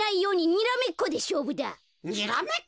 にらめっこ？